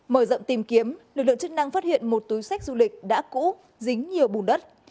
mở rộng tìm kiếm lực lượng chức năng phát hiện một túi sách du lịch đã cũ dính nhiều bùn đất